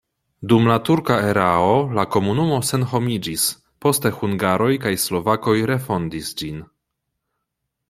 Dum la turka erao la komunumo senhomiĝis, poste hungaroj kaj slovakoj refondis ĝin.